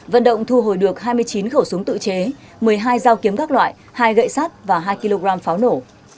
vận động thu hồi được hai mươi chín khẩu súng tự chế một mươi hai dao kiếm các loại hai gậy sát và hai kg pháo nổ